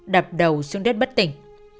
đập đầu xuống đất bất tỉnh